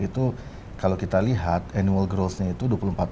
itu kalau kita lihat annual growth nya itu dua puluh empat